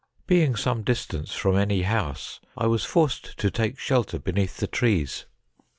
Being some distance from any house, I was forced to take shelter beneath the trees.